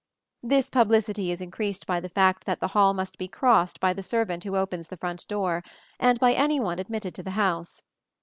This publicity is increased by the fact that the hall must be crossed by the servant who opens the front door, and by any one admitted to the house.